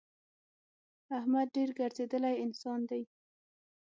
احمد ډېر ګرځېدلی انسان دی.